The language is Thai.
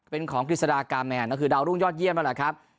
เป็นของกฤษฎากาแมนก็คือดาวรุ่งยอดเยี่ยมนั่นแหละครับ